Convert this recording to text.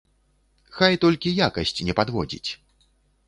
Хай толькі якасць не падводзіць!